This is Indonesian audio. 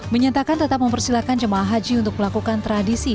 menyatakan tetap mempersilahkan jemaah haji untuk melakukan tradisi